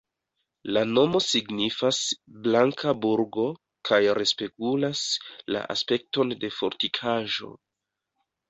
La nomo signifas "blanka burgo" kaj respegulas la aspekton de fortikaĵo.